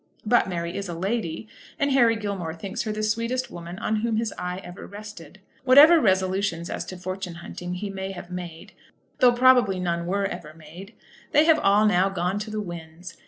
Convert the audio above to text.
But Mary is a lady, and Harry Gilmore thinks her the sweetest woman on whom his eye ever rested. Whatever resolutions as to fortune hunting he may have made, though probably none were ever made, they have all now gone to the winds.